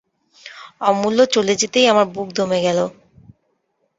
অমূল্য চলে যেতেই আমার বুক দমে গেল।